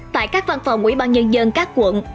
tại các văn phòng ủy ban nhân dân các quận